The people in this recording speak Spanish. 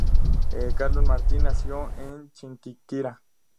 Carlos Martín nació en Chiquinquirá.